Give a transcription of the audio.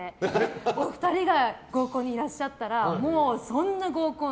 お二人が合コンにいらっしゃったらもう、そんな合コン